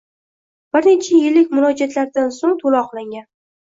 Bir necha yillik murojaatlaridan so‘ng to‘la oqlangan